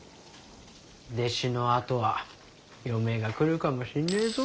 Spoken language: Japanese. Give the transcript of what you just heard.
弟子のあとは嫁が来るかもしんねえぞ。